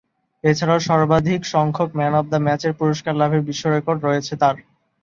এছাড়াও, সর্বাধিকসংখ্যক man of the ম্যাচের পুরস্কার লাভের বিশ্বরেকর্ড রয়েছে তার।